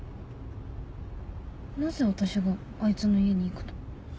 なぜ私があいつの家に行くと？